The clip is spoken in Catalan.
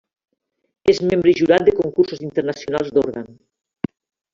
És membre i jurat de concursos internacionals d'òrgan.